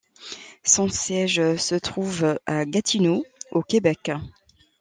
Son siège se trouve à Gatineau au Québec.